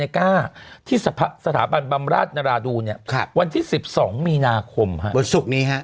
ที่สถาบันบำราชนราดูนเนี่ยวันที่๑๒มีนาคมวันศุกร์นี้ฮะ